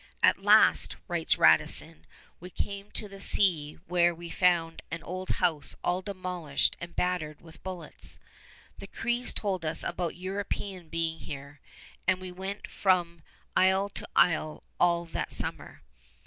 "At last," writes Radisson, "we came to the sea, where we found an old house all demolished and battered with bullets. The Crees told us about Europeans being here; and we went from isle to isle all that summer."